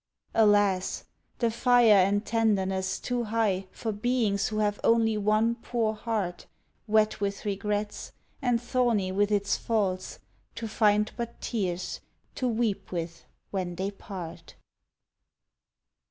Alas! the fire and tenderness too high For beings who have only one poor heart, Wet with regrets and thorny with its faults, To find but tears to weep with when they part.